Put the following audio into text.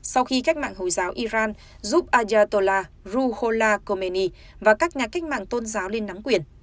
sau khi cách mạng hồi giáo iran giúp ayatollah ruhollah khomeini và các nhà cách mạng tôn giáo lên nắm quyển